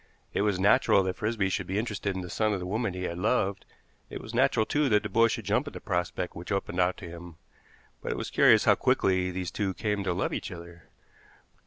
It was natural that Frisby should be interested in the son of the woman he had loved; it was natural, too, that the boy should jump at the prospect which opened out to him, but it was curious how quickly these two came to love each other.